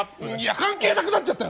関係なくなっちゃったよ。